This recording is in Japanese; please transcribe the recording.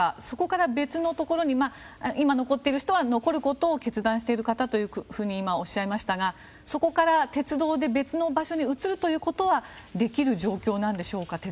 そこから別のところに今、残っているのは残ることを決断している方と今、おっしゃいましたがそこから別の場所に鉄道で移るということはできる状況なんでしょうか。